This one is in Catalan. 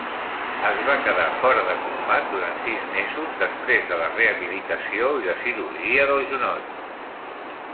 Es va quedar fora de combat durant sis mesos després de la rehabilitació i la cirurgia del genoll.